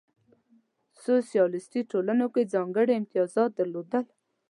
سوسیالیستي ټولنو هم ځانګړې امتیازات درلودل.